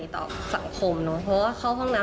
ต่อสังคมเนอะเพราะว่าเข้าห้องน้ำ